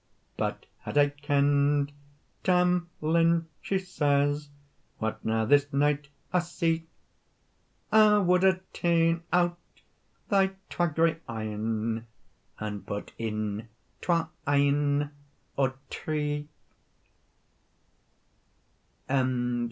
"But had I kend, Tam Lin," she says, "What now this night I see, I wad hae taen out thy twa grey e'en, And put in twa een o tree."